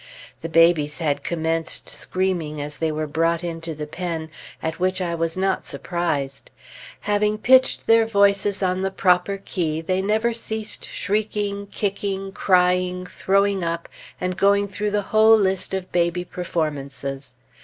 The babies had commenced screaming as they were brought into the pen, at which I was not surprised. Having pitched their voices on the proper key, they never ceased shrieking, kicking, crying, throwing up, and going through the whole list of baby performances.